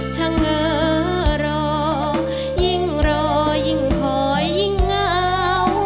เฉงอรอยิ่งรอยิ่งคอยยิ่งเหงา